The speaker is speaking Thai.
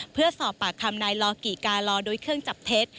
เพื่อสอบปากคำนายลอกิกาลอโดยเครื่องจับเท็จ